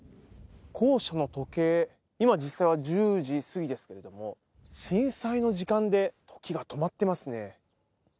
校舎の時計、今、実際は１０時過ぎですけれども、震災の時間で時が止まってますね。